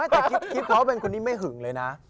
แต่คิดเขาเป็นคนนี้ไม่หึงเลยนะ